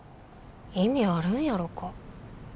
意味あるんやろか。